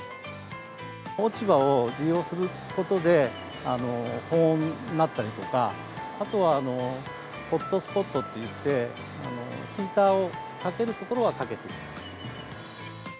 落ち葉を利用することで、保温になったりとか、あとは、ホットスポットっていって、ヒーターをかける所はかけている。